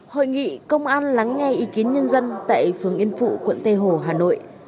hội nghị công an lắng nghe ý kiến nhân dân tại phường yên phụ quận tây hồ hà nội